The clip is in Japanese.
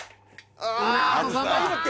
ああ。